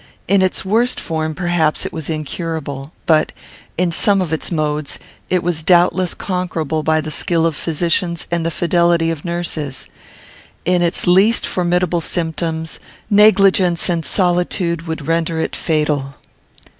In its worst form perhaps it was incurable; but, in some of its modes, it was doubtless conquerable by the skill of physicians and the fidelity of nurses. In its least formidable symptoms, negligence and solitude would render it fatal.